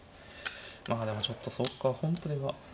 まあでもちょっとそうか本譜では。